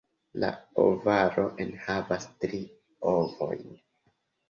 La ovaro enhavas tri ovojn.